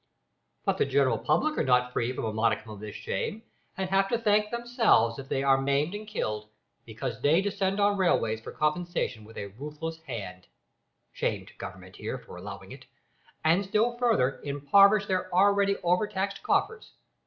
But the general public are not free from a modicum of this shame, and have to thank themselves if they are maimed and killed, because they descend on railways for compensation with a ruthless hand; (shame to Government here, for allowing it!) and still further, impoverish their already over taxed coffers.